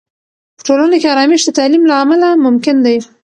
په ټولنه کې آرامش د تعلیم له امله ممکن دی.